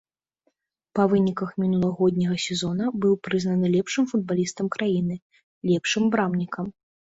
Па выніках мінулагодняга сезона быў прызнаны лепшым футбалістам краіны, лепшым брамнікам.